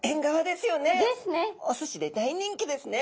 おすしで大人気ですね。